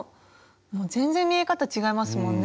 全然見え方違いますもんね。